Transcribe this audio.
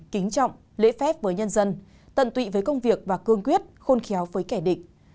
kính trọng lễ phép với nhân dân tận tụy với công việc và cương quyết khôn khéo với kẻ địch